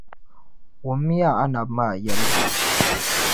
wummiya anabi maa yɛligu.